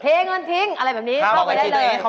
เงินทิ้งอะไรแบบนี้เข้าไปได้เลย